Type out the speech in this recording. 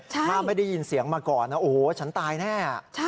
ถ้าไม่ได้ยินเสียงมาก่อนนะโอ้โหฉันตายแน่